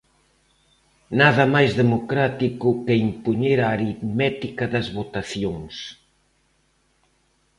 Nada máis democrático que impoñer a aritmética das votacións.